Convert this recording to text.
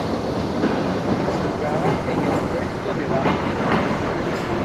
Jugaba en el puesto de base.